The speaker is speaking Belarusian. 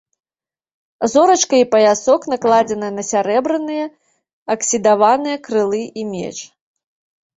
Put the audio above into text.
Зорачка і паясок накладзеныя на сярэбраныя аксідаваныя крылы і меч.